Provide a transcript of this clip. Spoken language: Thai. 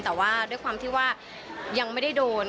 แต่ว่าด้วยความที่ว่ายังไม่ได้โดน